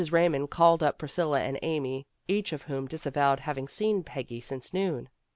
Raymond called up Priscilla and Amy, each of whom disavowed having seen Peggy since noon.